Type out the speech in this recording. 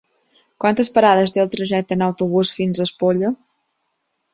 Quantes parades té el trajecte en autobús fins a Espolla?